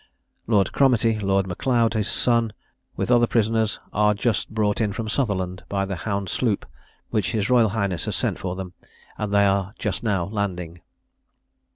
Lord Cromartie, Lord M'Leod his son, with other prisoners, are just brought in from Sutherland, by the Hound sloop, which his Royal Highness has sent for them; and they are just now landing."